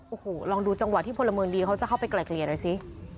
โอ้โหลองดูจังหวะที่พลเมืองดีเขาจะเข้าไปไกลเกลี่ยหน่อยสิ